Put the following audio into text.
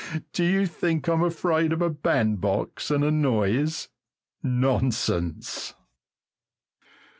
do you think I'm afraid of a bandbox and a noise? Nonsense!